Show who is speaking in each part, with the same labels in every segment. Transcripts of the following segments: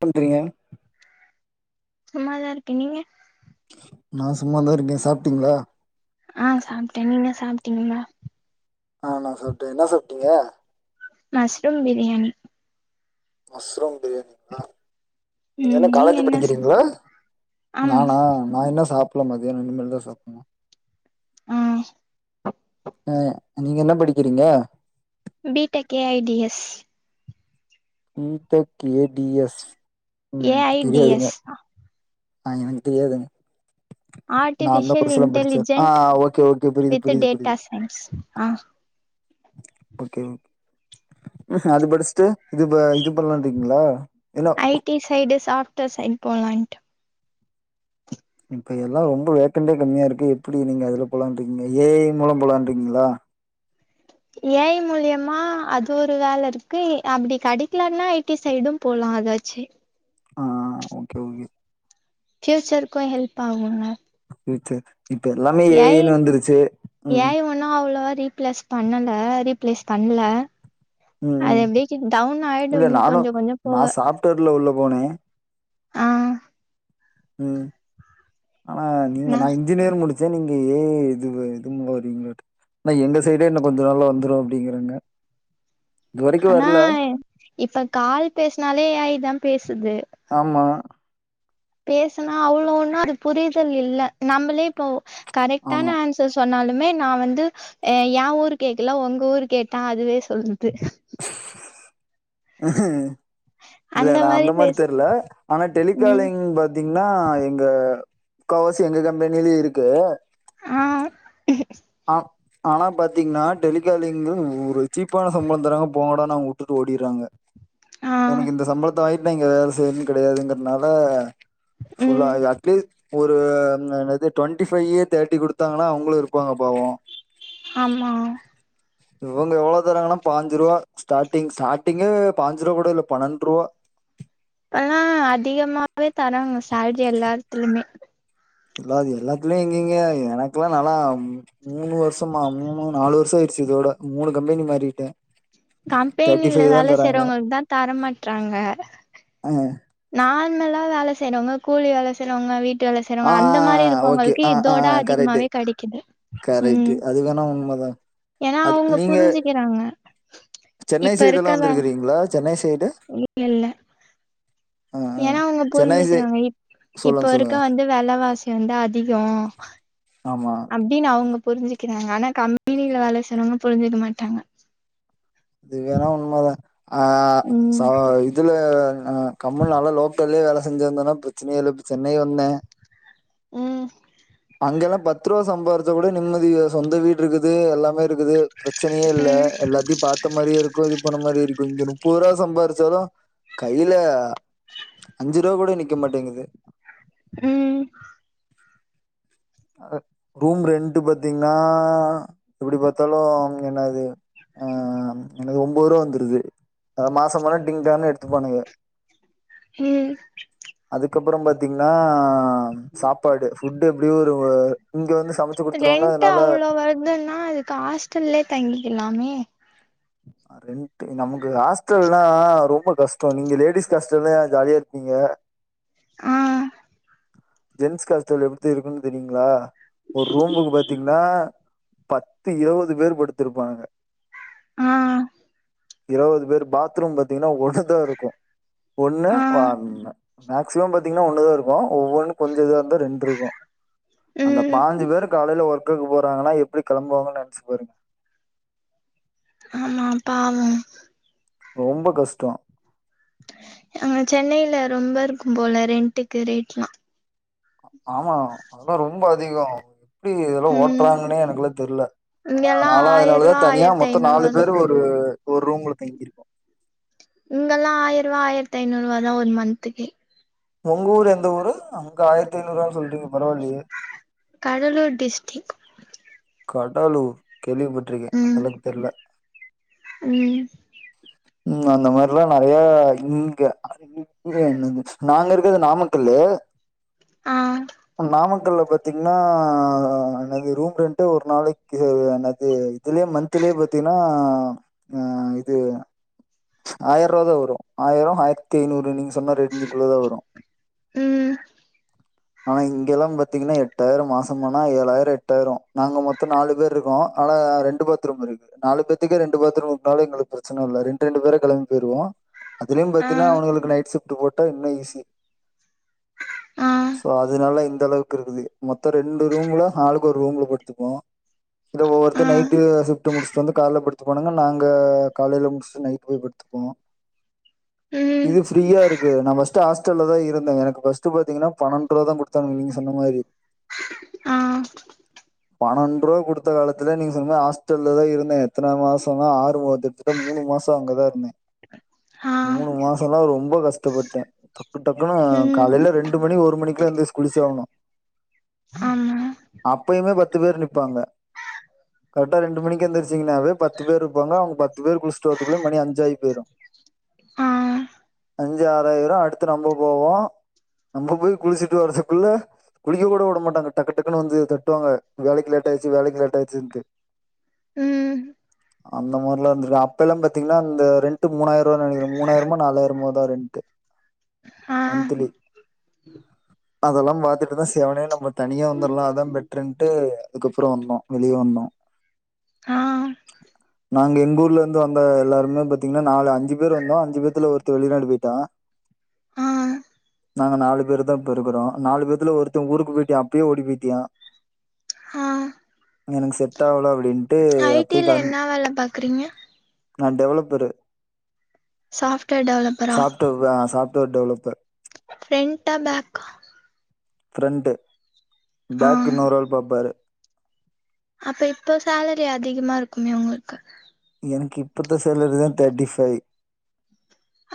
Speaker 1: பண்றீங்க
Speaker 2: சும்மாதா இருக்க நீங்க
Speaker 1: நா சும்மாதா இருக்கே சாப்டீங்ளா
Speaker 2: ஆ சாப்டே நீங்க சாப்டீங்ளா
Speaker 1: ஆ நா சாப்ட என்னா சாப்டிங்க
Speaker 2: மஷ்ரூம் பிரியாணி
Speaker 1: மஷ்ரூம் பிரியாணிங்ளா
Speaker 2: ம்
Speaker 1: என்னா
Speaker 2: நீங்க
Speaker 1: காலேஜூ
Speaker 2: என்ன சாப்
Speaker 1: படிக்றிங்ளா
Speaker 2: ஆமா
Speaker 1: நானா நா என்ன சாப் பில மதியான இனிமேல்தா சாப்புன்னு
Speaker 2: ஆ
Speaker 1: அ நீங்க என்ன படிக்கிறிங்க
Speaker 2: B tech A I D S
Speaker 1: B tech A D S
Speaker 2: ஏ
Speaker 1: ம்
Speaker 2: ஐ டி
Speaker 1: தெரியாதுங்க
Speaker 2: எஸ்
Speaker 1: ஆ எனக்கு தெரியாதுங்க நா அந்த
Speaker 2: ஆர்டிஃபிஷியல்
Speaker 1: கோர்ஸ்லா படிச்சே ஆ
Speaker 2: இன்டலிஜென்ட்
Speaker 1: ஓகே ஓகே புரியுது
Speaker 2: வித்
Speaker 1: புரியுது புரியுது
Speaker 2: டேட்டாஸ் சைன்ஸ் ஆ
Speaker 1: ஓகே அது படிஸ்ட்டு இதுப இது பண்லான்ட்ருக்கீங்ளா
Speaker 2: I T side software side போலான்ட்டு
Speaker 1: இப்ப எல்லா ரொம்ப வேக்கண்ட்டே கம்மியாருக்கு எப்புடி நீங்க அதுல போலான்ருக்கீங்க ஏ ஐ மூலம் போலான்ருக்கீங்ளா
Speaker 2: ஏ ஐ மூலியமா அது ஒரு வேலருக்கு அப்டி கெடைக்லனா ஐ டி சைடும் போலா ஆ அதாச்சே
Speaker 1: ஆ ஓகே ஓகே
Speaker 2: ஃபியூச்சர்க்கு ஹெல்ப்பாவுங்க
Speaker 1: ஃபியூச்சர் இப்ப எல்லாமே ஏ ஐனு வந்துருச்சு ம்
Speaker 2: ரீப்ளஸ் பண்ணல ரீப்ளேஸ் பண்ல
Speaker 1: ம்
Speaker 2: அது
Speaker 1: ம்
Speaker 2: அப்டியே டவுன் ஆயிடும்
Speaker 1: இல்ல
Speaker 2: இன்னும்
Speaker 1: நானு
Speaker 2: கொஞ்சம் கொஞ்சம் போக
Speaker 1: நா சாஃப்ட்வேர்ல உள்ள போனே
Speaker 2: ஆ
Speaker 1: ம் ஆனா நீங்க நா இன்ஜினேர் முடிச் ச்ச நீங்க ஏ ஐ இது இது [unintelligible] ஆனா எங்க சைடே இன்னு கொஞ்ச நாள்ல வந்துரு அப்டிங்கிறாங்க
Speaker 2: ஆனா இப்ப கால் பேஸ்னாலே ஏ ஐ தா பேசுது
Speaker 1: ஆமா
Speaker 2: பேசனா அவ்ளோ ஒன்னு அது புரிதல் இல்ல நம்மளே இப்போ கரெக்டான
Speaker 1: ஆமா
Speaker 2: ஆன்சர் சொன்னாலு மே நா வந்து ஏ ஊரு கேக்கல ஒங்க ஊரு கேட்ட அதுவே சொல்லுது
Speaker 1: இல்ல நா அந்த மாரி தெர்ல ஆனா
Speaker 2: ம்
Speaker 1: டெலிகாலிங் பாத்தீங்னா எங்க க்காவாசி எங்க கம்பெனிலியே இருக்கு
Speaker 2: ஆவ்
Speaker 1: ஆம் ஆனா பாத்தீங்னா டெலிகாலிங்கு ஒரு சீப்பான சம்பளந் தராங்க போங்கடானு அவுங்க வுட்டுட்டு ஓடிர்றாங்க
Speaker 2: ஆ
Speaker 1: எனக்கு இந்த சம்பளத்த வாயிட் நா இங்க வேல செய்யினுன் கெடையாதுங்கறனால ஃபுல்லா
Speaker 2: ம்
Speaker 1: அட்லீ்ஸ் ஒரு ம் என்னது டொண்டி ஃபைய்யி தேர்டி குடுத்தாங்கனா அவுங்ளு இருப் ப்பாங்க பாவோ
Speaker 2: ஆம்மா
Speaker 1: இவுங்க எவ்ளோ தராங்கனா பாஞ்சுருவா ஸ்டார்டிங் ஸ்டார்டிங்கே பாஞ்சுருவா கூட இல்ல பணன்ட்ருவா
Speaker 2: அல்லா அதிகமாவே தராங்க சேல்ரி எல்லாத்துலுமே
Speaker 1: இல்ல அது எல்லாத்லியு இங்க இங்க எனக்லா நாலா ம் மூனு வர்ஷமாம் மூனு நாலு வர் ஷ ஆயிர்ச்சி இதோட மூனு கம்பெனி மாறிட்டே தேர்ட்டி
Speaker 2: கம்பேனில
Speaker 1: ஃபைவ் தா
Speaker 2: வேல
Speaker 1: தராங்க
Speaker 2: செய்றவங்ளுக்தா தரமாட்றாங்க நார்மலா வேல செய்யறவங்க கூலி வேல செய்யறவங்க வீட் டு வேல
Speaker 1: ஆ
Speaker 2: செய்றவங்க அந்த மாரி
Speaker 1: ஓகே
Speaker 2: இருக்கவங்களுக்கு
Speaker 1: ஆ ஆ
Speaker 2: இதோட
Speaker 1: கரெக்ட்டு
Speaker 2: அதிகமாவே கெடைக்குது
Speaker 1: கரெக்ட்டு
Speaker 2: ம்
Speaker 1: அது வேணா உண்மதா
Speaker 2: ஏனா
Speaker 1: அது
Speaker 2: அவங்க
Speaker 1: நீங்க
Speaker 2: புரிஞ்சுக்கிறாங்க
Speaker 1: சென்னை
Speaker 2: இப்ப
Speaker 1: சைடு எல்லா
Speaker 2: இருக்கதா
Speaker 1: வந்திருக்கிறீங்களா சென்னை சைடு
Speaker 2: இல்லல்ல
Speaker 1: ஆ ஆ
Speaker 2: ஏனா அவங்க
Speaker 1: சென்னை சை
Speaker 2: புரிஞ்சக்கிறாங்க இப்
Speaker 1: சொல்லுங்க
Speaker 2: இப்ப இருக்க
Speaker 1: சொல்லுங்க
Speaker 2: வந்து வெலவாசி வந்து அதிகோ
Speaker 1: ஆமா
Speaker 2: அப்டின்னு அவங்க புரிஞ்சுக்கிறாங்க ஆனா கம்பெனில வேலை செய்றவங்க புரிஞ்சுக்க மாட்டாங்க
Speaker 1: அது வேணா உண்மதா ஆ
Speaker 2: ம்
Speaker 1: ச இதுல ஆ கம்பனில நால லோக்கல்லயே வேல செஞ்சிருந்தனா இப்ப பிரச்சனயே இல்ல இப்ப சென்னை வந்தே
Speaker 2: ம்
Speaker 1: அங்க எல்லா பத்து ரூவா சம்பாதிச்சா கூட நிம்மதி சொந்த வீடு இருக்குது எல்லாமே இருக்குது பிரச்சனையே இல்ல
Speaker 2: ம்
Speaker 1: எல்லாத்தையு பாத் இருக்கு இது பண்ண மாதிரி இருக்கு இங்க முப்பது ரூவா சம்பாரிச்சாலு கையில அஞ்சு ரூவா கூட நிக்க மாட்டேங்குது
Speaker 2: ம்
Speaker 1: ரூம் ரெண்ட் பாத்தீங்கன்னா எப்படி பார்த்தாலு அங்க என்ன இது ஆ எனக்கு ஒம்போ ரூவா வந்துருது அத மாசம் மானா டிங்டானு எடுத்துபானுங்க
Speaker 2: ம்
Speaker 1: அதுக்கப்பறம் பாத்தீங்கன்னா சாப்பாடு ஃபுட்டு் எப்டி ஒரு இங்க வந்து சமைச்சு குடுத்துருவாங்க.
Speaker 2: ரெண்ட்
Speaker 1: அதனால
Speaker 2: அவ்வள வருதுன்னா அதுக்கு ஹாஸ்டல்லே தங்கிக்கலாமே
Speaker 1: ரெண்ட் நமக்கு ஹாஸ்டல்லா ரொம்ப கஷ்டொ நீங்க லேடிஸ் ஹாஸ்டல்ல ஜாலியா இருப்பீங்க
Speaker 2: ஆ
Speaker 1: ஜென்ஸ் காஸ்டல் எப்படித்த இருக்குன்னு தெரியுங்களா ஒரு ரூமுக்கு பாத்தீங்ன்னா பத்து இருவது பேர் படுத்திருப்பானுங்க
Speaker 2: ஆ
Speaker 1: இருவது பேர் பாத்ரூம் பாத்தீங்கன்னா ஒண்ணுதா இருக்கு ஒண்ணு
Speaker 2: ஆ
Speaker 1: மேக்சிமம் பாத்தீங்ன்னா ஒண்ணுதா இருக்கு ஒவ்வொன்னு கொஞ்சம் இதா இருந்தா ரெண்டு இருக்கு அந்த
Speaker 2: ம்
Speaker 1: பாஞ்சு பேர்க் காலையல ஒர்க்குக்கு போறாங்கன்னா எப்டி கெளம்புவாங்கன்னு நெனைச்சு பாருங்க
Speaker 2: ஆமா பாவம்
Speaker 1: ரொம்ப கஷ்ட
Speaker 2: அங்க சென்னையில ரொம்ப இருக்கும் போல ரெண்ட்க்கு ரேட்ல்லா
Speaker 1: ஆமா அதெல்லா ரொம்ப அதிக எப்டி இதெல்லா
Speaker 2: ம்
Speaker 1: ஓட்டுறாங்கன்னே எனக்கு எல்லா தெரில ஆனா
Speaker 2: இங்கெல்லா
Speaker 1: நாலா அதுனாலதா
Speaker 2: ஆயிரூவா
Speaker 1: தனியா
Speaker 2: ஆயிரத்தி
Speaker 1: மொத்த நாலு
Speaker 2: ஐநூறுவா தா
Speaker 1: பேர் ஒரு ஒரு ரூம்ல தங்கிருக்கோ
Speaker 2: இங்கல்லா ஆயிரூவா ஆயிரத்தி ஐநூறு ரூவா தா ஒரு மந்த்க்கே
Speaker 1: உங்க ஊர் எந்தஊரு அங்க ஆயிரத்தைநூறு வானு சொல்றீங்
Speaker 2: கடலூர் டிஸ்டிக்
Speaker 1: கடலூர் கேள்விப்பட்டிருக்கே
Speaker 2: ம்
Speaker 1: அந்தளவுக்கு தெரில
Speaker 2: ம்
Speaker 1: ம் அந்த மாரில்லா நெறைய இங்க நாங்க இருக்கது நாமக்கலு அ
Speaker 2: ஆ
Speaker 1: க்கல்ல பாத்தீங்ன்னா என்னது ரூம் ரென்ட் ஒரு நாளைக்கு என்னது இதுலயே மன்த் பாத்தீங்கன்னா இது ச் ஆயிரூவா தா வரு ஆயிர ஆயிரத்தி ஐநூறு நீங்க சொ சொன்ன ரேஞ்சுக்குள்ள தா வரு
Speaker 2: ம்
Speaker 1: ஆனா இங்க எல்லா பாத்தீங்கன்னா எட்டாயிர மாசம் ஆனா ஏழாயிர எட்டாயிர நாங்க மொத்தம் நாலு பேர் இருக்கோ ஆனா அ ரெண்டு பாத்ரூம் இருக்கு நாலு பேத்துக்கே ரெண்டு பாத்ரூம் உட்டாலு எங்களுக்கு பிரச்சன இல்ல ரெண் ரெண்டு பேரு கெலம்பி போயிருவோ அதுலயும்
Speaker 2: ஆ
Speaker 1: பாத்தீனா அவுனுங்களுக்கு நைட் ஷிப் ட்டு போட்டா இன்னு ஈஸி
Speaker 2: அ
Speaker 1: சோ அதுனால இந்த அளவுக்கு இருக்குது மொத்தோ ரெண்டு ரூம்ல அளுக்கு ஒரு ரூம்ல படுத்துப்போ இத ஒவ்வொருத்த
Speaker 2: ஆ
Speaker 1: நைட்டு ஷிப்ட் முடிச்சிட்டு வந்து கால்ல படித்துபானுங்க நாங்க காலையில முடிச்சிட்டு நைட் போய் படுத்துப்போ
Speaker 2: ம்
Speaker 1: இது ஃப்ரீயா இருக்கு நா ஃபஸ்ட் ஹாஸ் ஹாஸ்டல்ல தா இருந்த எனக்கு ஃபஸ்ட் பாத்தீங்கன்னா பன்னெண்டு ரூபா தா குடுத்தாங்க நீங்க சொன்னா மாரி
Speaker 2: ஆ
Speaker 1: பன்னெண்டு ரூபா குடுத்த காலத்துல நீங்க சொன்ன மாரி ஹாஸ்டல்ல தா இருந்தே எத்தன மாசமா ஆறு மா கிட்டத்தட்ட மூணு மாச த அங்கதா இருந்தே
Speaker 2: ஆ
Speaker 1: மூணு மாசம்லா ரொம்ப ரொம்ப கஷ்டப்பட்டே டக்கு டக்குன்னு அ
Speaker 2: ம்
Speaker 1: காலையில ரெண்டு மணி ஒரு மணிக்குல எந்திரிச் குளிச்சே ஆகணு
Speaker 2: [unintelligible]
Speaker 1: அப்பயுமே பத்து பேர் நிப்பாங்க கரெக்டா ரெண்டு மணிக்கு எந்திரிச்சிங்கன்னாவே பத்து பேர் இருப்பாங்க அவங்க பத்து பேர் குளிச்சுட்டு வர் அதுக்குள்ள மணி அஞ்சாயி பேயிரோ
Speaker 2: ஆ
Speaker 1: அஞ்சு ஆறாயிரோ அடுத்து நம்ப போவோ நம்ம போய் குளிச்சிட்டு வரதுக்குள்ள குளிக்க கூட உட மாட்டாங்க டக்கு டக்குன்னு வந்து தட்டுவாங்க வேலைக்கு லேட்ட ஆயிட்சி வேலைக்கு லேட்ட ஆயிட்சின்டு
Speaker 2: ம்.
Speaker 1: அந்த மாரில இருந்திருக்கே அப் அப்பெல்லா பாத்தீங்கன்னா அந்த ரெண்ட்டு மூணாயிர ரூபான்னு நெனைக்றே மூணாயிரமோ நாலாயிரமோ தா ரெண்ட்
Speaker 2: ஆ
Speaker 1: மந்த்லி
Speaker 2: [unintelligible]
Speaker 1: அதெல்லாம் பாத்துட்டு தா சிவனேன்னு நம்ம தனியா வந்துர்லா அதான் பெட்ருன்ட்டு அதுக்கப்புறோ வந்தோ வெளியே வந்தோ
Speaker 2: அ
Speaker 1: நாங்க எங்க ஊர்ல ந்து வந்த எல்லாருமே பாத்தீங்கன்னா நாலு அஞ்சு பேர் வந்தோ அஞ்சு பேத்துல ஒருத்தே வெளிநாடு போயிட்டா
Speaker 2: ஆ
Speaker 1: நாங்க நாலு பேரு தா இப்ப இருக்குறோ நாலு பேத்துல ஒருத்த ஊருக்கு போயிட்டா அப்பயே ஓடி போயிட்டியா
Speaker 2: அ
Speaker 1: எனக்கு செட் ஆகல அப்டின்
Speaker 2: ஐ டி ல என்ன வேலை பாக்குறீங்க
Speaker 1: நா டெவலப்பரு
Speaker 2: சாப்ட்வேர் டெவலப்பரா
Speaker 1: தேர்ட் டெவலப்பர்
Speaker 2: ஃப்ரண்டா பேக்கா
Speaker 1: ஃப்ரெண்ட்
Speaker 2: ஆ
Speaker 1: பேக் இன்னொரு ஆள் பாப்பாரு
Speaker 2: அப்ப இப்போ சேலரி அதிகமா இருக்குமே உங்களுக்கு
Speaker 1: எனக்கு இப்போத்த சேலரி தா தேர்ட்டி ஃபைவ்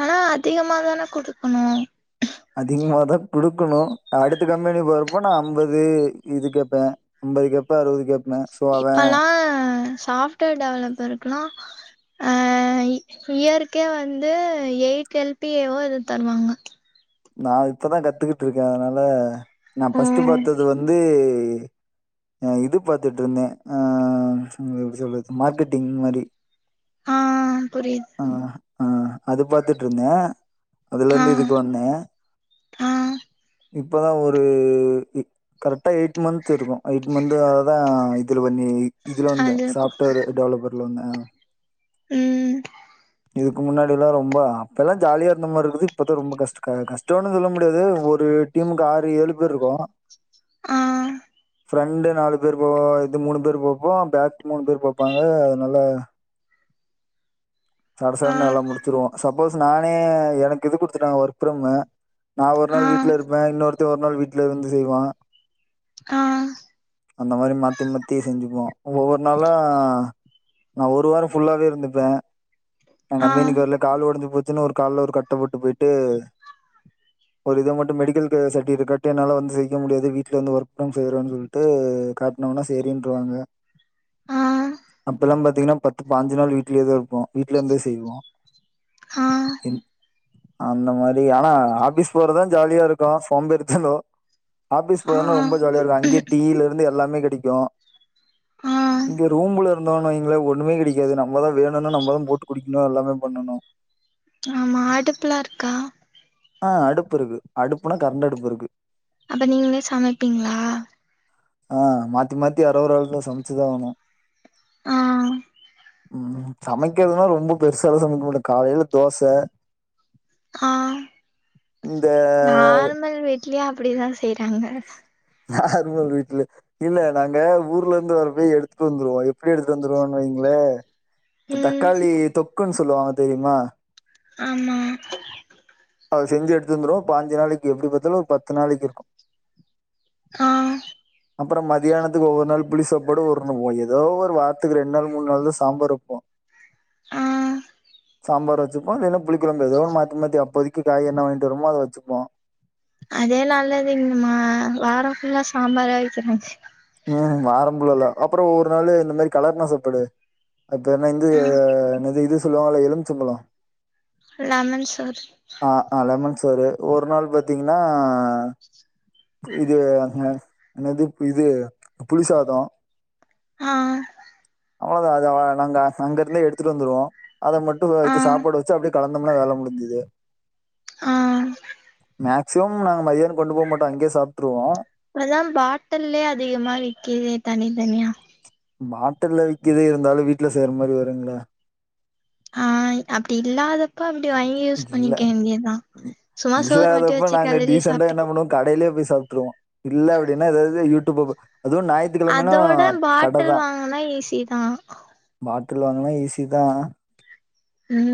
Speaker 2: ஆனா அதிகமா தானே குடுக்கணு
Speaker 1: அதிகமாதா குடுக்கணு அடுத்த கம்பெனி போறப்போ நான் ஐம்பது இது கேப்பேன் ஐம்பது கேப்பே அறுவது கேப்பே
Speaker 2: இப்பல்லா சாப்ட்வேர் டெவலப்பருக்கெல்லா அ இயருக்கே வந்து எயிட் எல் பி ஏ வோ ஏதோ தருவாங்க
Speaker 1: நா இப்பதா கத்துக்கிட்டு இருக்கே அதனால நான்
Speaker 2: ஓ
Speaker 1: ஃபஸ்ட் பாத்தது வந்து எ அ இது பாத்திட்டு இருந்தே அ எப்டி சொல்றது மார்க்கெட்டிங் மாரி
Speaker 2: ஆ புரியுது
Speaker 1: அ அ அது பாத்துட்டு இருந்தே அதுல இருந்து இதுக்கு வந்தே
Speaker 2: அ ம்
Speaker 1: இப்பதா ஒரு கரெக்டா எயிட் மந்த் இருக்கு எயிட் மந்த்துதா அதா இது இது பண்ணி இதுல வந்தே
Speaker 2: அது கு
Speaker 1: சாஃப்ட்வேர் டெவலப்பர்ல வந்த ஆ
Speaker 2: ம்
Speaker 1: இதுக்கு முன்னாடில்லா ரொம்பா அப்பல்லா ஜாலியா இருந்த மாரி இருந்து இப்பத்தா ரொம்ப கஷ்ட க கஷ்டோன் னு சொல்ல முடியாது ஒரு டீமுக்கு ஆறு ஏழு பேர் இருக்கோ
Speaker 2: ஆ
Speaker 1: ஃப்ரண்ட் நாலு பேர் போ இது மூணு பேர் பாப்போ பேக் மூணு பேர் பாப்பாங்க அதுனால்ல
Speaker 2: ஆ
Speaker 1: சடசடன்னு எல்லாம் முடிச்சிருவோ சப்போஸ் நானே எனக்கு இது குடுத்துட்டாங் ஒர்க் ஃப்ரம் நா ஒரு
Speaker 2: ஆ
Speaker 1: நாள் வீட்ல இருப்ப இன்னொருத்த ஒரு நாள் வீட்ல இருந்து செய்வான்
Speaker 2: ஆ
Speaker 1: அந்த மாரி மாத்தி மாத்தி செஞ்சுப்போ ஒ ஒவ்வொரு நாளு நா ஒரு வாரம் ஃபுல்லாவே இருந்துப்ப நா
Speaker 2: ஆ
Speaker 1: கம்பெனிக்கு வர்ல கால் ஒடைஞ்சு போச்சின்ன்னு ஒரு கால்ல ஒரு கட்ட போட்டு போயிட்டு ஒரு இத மட்டும் மெடிக்கல் க சர்ட்டிக்ட்ட காட்டி என்னால வந்து ஸெய்க்க முடியாது வீட்ல வந்து ஒர்க் ஃப்ரம் செய்யறேன்னு சொல்லிட்டு கா ட்டுனோன்ன சேரின்றுவாங்க
Speaker 2: ஆ
Speaker 1: அப்பல்லாம் பாத்தீங்கன்னா பத்து பானஞ்சு நாள் வீட்லயேதா இருப்போ வீட்ல இருந்து செய்வோ
Speaker 2: ஆ
Speaker 1: என் அந்ந மாரி ஆனா ஆஃபிஸ் போறதா ஜாலியா இருக்கு சோம்பேரித்தனொ ஆஃபிஸ்
Speaker 2: ஆ
Speaker 1: போதனா ரொம்ப ஜாலியா இருக்கு அங்கே டீயில இருந்து எல்லாமே கெடைக்கு
Speaker 2: ஆ
Speaker 1: இங்க ரூம்புல இருந்தோன் வைங்களே ஒன்னுமே கெடைக்காது நம்மதா வேணுனா நம்மதா போட்டு குடிக்கணு எல்லாமே பண்ணணு
Speaker 2: ஆமா ஆடுப்புல்லா இருக்கா?
Speaker 1: ஆ அடுப்புருக்கு அடுப்புனா கரண்ட் அடுப்பு இருக்கு
Speaker 2: அப்ப நீங்களே சமைப்பீங்ளா?
Speaker 1: ஆ மாத்தி மாத்தி யாரோ ஒரு ஆள் சமைச்சுதா ஆவனு
Speaker 2: ஆ
Speaker 1: ம் சமைக்கிறதுன்னா ரொம்பொ பெருசால சமைக்க மாட்டே காலைல தோச
Speaker 2: ஆ
Speaker 1: இந்த
Speaker 2: நார்மல் வெட் ட்லேயே அப்படிதா செய்யறாங்க.
Speaker 1: நார்மல் வீட்டுல இல்ல நாங்க ஊர்ல இருந்து வரப்பையே எடுத்துட்டு வந்துருவோ எப்டி எடுத்துட்டு வந்துருவோம் வைங் வே த
Speaker 2: ம்
Speaker 1: தக்காளி தொக்குன் சொல்லுவாங்க தெரியுமா
Speaker 2: ஆமா
Speaker 1: ப்ப அது செஞ்சு எடுத்துட்டு வந்துருவோ பானஞ்சு நாளைக்கு எப்டி பாத்தாலு ஒரு பத்து நாளைக்கு இருக்கு
Speaker 2: ஆ
Speaker 1: அப்பறம் மதியானத்துக்கு ஒவ்வொரு நாள் புளி சாப்பாடு ஒரு ஒ எதோ ஒரு வாரத்துக்கு ரெண்டு நாள் மூணு நாள்தா சாம்பார் வப்போ
Speaker 2: ஆ
Speaker 1: சாம்பார் வச்சுப்போ இல்லைனா புளி கொழம்பு எதோ ஒன் மாத்தி மாத்தி அப்போதைக்கு காய் என்ன வாங்கீட்டு வருவமோ அத வச்சுப்போ
Speaker 2: அதே நல்லதுங்கமா வாரம் ஃபுல்லா சாம்பாரே வெக்கிறாங்
Speaker 1: ம் வாரம் ஃபுல்லால அப்பறொ ஒரு நாளு இந்த மாரி கலர் நாசப்படு அப்ப என்ன இந்து
Speaker 2: ஆ
Speaker 1: நிது இது சொல்லுவாங்கல்ல எலுமிச்சம்பழோ
Speaker 2: லெமன் சோறு
Speaker 1: ஆ அ லெமன் சோறு ஒரு நாள் பாத்தீங்கன்னா இது அ என்னது இது புளி சாதோ
Speaker 2: ஆ
Speaker 1: அவ்ளோதா அத நாங்க அங்க இருந்தே எடுத்துட்டு வந்துடுவோ அத மட்டு வெ
Speaker 2: ஆ
Speaker 1: இது சாப்பாடு வச்சு அப்டியே கலந்தோம்னா வேல முடிஞ் ந்தது
Speaker 2: ஆ
Speaker 1: மேக்சிமம் நாங்க மதியானோ கொண்டு போக மாட்டோ அங்கே சாப்ட்டுருவோ
Speaker 2: இப்பஎல்லா பாட்டல்லே அதிகமா விக்கிது தனி தனியா
Speaker 1: பாட்டுல விக்கது இருந்தாலு வீட்டுல செய்ற மாதிரி வருங்கள
Speaker 2: ஆ அப்படி இல்லாதப்ப அப்படி வாங்கி யூஸ்
Speaker 1: இல்ல.
Speaker 2: பண்ணிக்கே வேண்டியதுதா
Speaker 1: இல்லாதப்ப நாங்க டீசெண்டா என்ன பண்ணுவோ கடையிலயே போய் சாப்பிட்டுருவோ இல்ல அப்பிடினா ஏதாவது யு போ அதுவும் ஞாயிற்றுக்கிழமைன்னா
Speaker 2: அதோட
Speaker 1: கடை
Speaker 2: பாட்டில்
Speaker 1: தான்
Speaker 2: வாங்குனா ஈஸி தா
Speaker 1: மா ங்கன்னா ஈஸி தா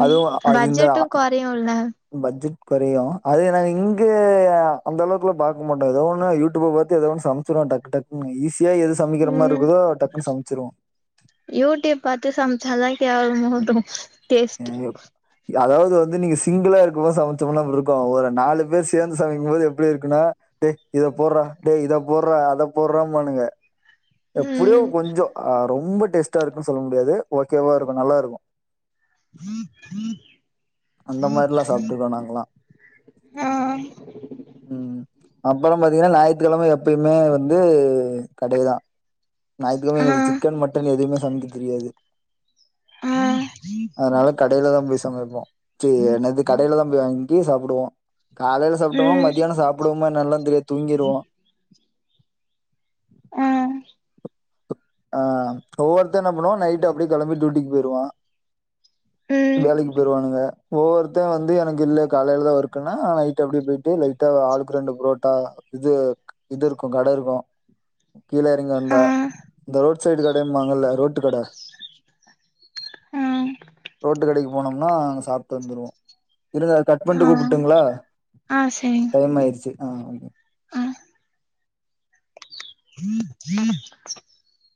Speaker 1: அதுவு அது இந்த
Speaker 2: குறையூலா
Speaker 1: குறையு அதது நாங்க இங்க அந்த அளவுக்குல பாக்க மாட்டோ ஏத ஒண்ணுன யூடியூப் பாத்து ச வோம் டக்கு டக்னு ஈசி எது சமைக்கிற மாரி
Speaker 2: ம்
Speaker 1: இருக்குதோ டக்குன்னு சமைச்சிருவோ
Speaker 2: யூடியூப் பாத்து [unintelligible] டேஸ்ட்
Speaker 1: ஏ- அதாவது வந்து நீங்க சிங்கிளா இருக்குபோது சமைச்சோம்னா அப்டி இருக்கு ஒரு நாலு பேர் சேர்ந்து சமைக்கும்போது எப்படி இருக்குன்னா டே இத போடுறா டே இத போடுறா அத போடுறா பாண்ணுங்க எப்படியோ
Speaker 2: ம்
Speaker 1: கொஞ்ச ரொம்ப டேஸ்ட்டா இருக்குன்னு சொல்ல முடியாது ஓகேவா இருக்கு நல்லா இருக்கு
Speaker 2: [inaudible]
Speaker 1: அந்த மாதிரி எல்லா சாப்பிட்டுக்கோ நாங்களா
Speaker 2: ஆ
Speaker 1: ம் அப்புற பாத்தீங்கன்னா ஞாயிற்றுக்கிழமை எப்பயுமே வந்து கடையதா ஞாயிற்க்கிலமை
Speaker 2: ஆ
Speaker 1: எங்களுக்கு சிக்கன் மட்டன் எதுவுமே சமைக்க தெரியாது
Speaker 2: ஆ
Speaker 1: அதனால கடையில தா போய் சமைப்போ சீ என்னது கடையில தான் போய் வாங்க கீ சாப்பிடுவோ காலையில சாப்பிட்டோம்னா
Speaker 2: ம்
Speaker 1: மத்தியான சாப்பிடுவோம என்னன்னுலா தெரியாது தூங்கிடுவோ
Speaker 2: ஆ
Speaker 1: ஆ ஒவ்வொருத்த என்ன பண்ணுவோ நைட் அப்படியே கிளம்பி டூட்டிக்கு போயிருவா
Speaker 2: ம்
Speaker 1: வேலைக்கு போய்ரூவானுங்க ஒவ்வொருத்தை வந்து எனக்கு இல்ல காலையிலதா ஒர்க் அப்டினா நைட் அப்படியே போயிட்டு லைட்டா ஆளுக்கு ரெண்டு புரோட்டா இது இது இருக்கு கடை இருக்கு கீழே இறிங்க
Speaker 2: ஆ
Speaker 1: வந்தா இந்த ரோட் சைடு கடைங்கபங்களா ரோட்டு கடை
Speaker 2: ஆ
Speaker 1: ரோட்டு கடைக்கு போனோம்னா அங்க சாப்பிட்டு வந்துடுவோ இருங்கா அத கட் பண்ணிட்டு
Speaker 2: ஆ
Speaker 1: கூப்பிட்டுங்களா
Speaker 2: ஆ சரிங்க
Speaker 1: டைம் ஆயிடுச்சு ஆ
Speaker 2: ஆ [inaudible]